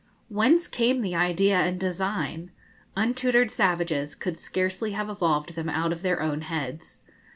Whence came the idea and design? Untutored savages could scarcely have evolved them out of their own heads.